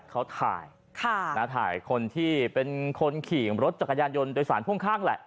เขาถ่ายถ่ายคนที่เป็นคนขี่รถจักรยานยนต์โดยสารพ่วงข้างแหละ